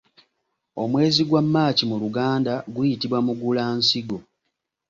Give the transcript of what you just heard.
Omwezi gwa March mu luganda guyitibwa Mugulansigo.